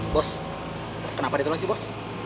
bos kenapa ditolak sih bos